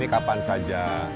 ini kapan saja